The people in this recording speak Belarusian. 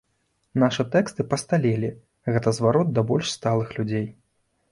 Нашы тэксты пасталелі, гэта зварот да больш сталых людзей.